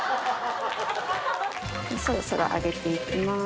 そろそろ上げて行きます。